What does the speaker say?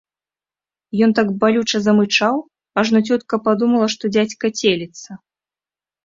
Ён так балюча замычаў, ажно цётка падумала, што дзядзька целіцца.